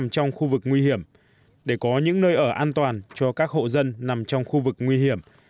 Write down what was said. trong khu vực nguy hiểm để có những nơi ở an toàn cho các hộ dân nằm trong khu vực nguy hiểm